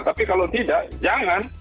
tapi kalau tidak jangan